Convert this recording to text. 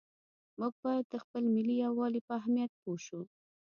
موږ باید د خپل ملي یووالي په اهمیت پوه شو.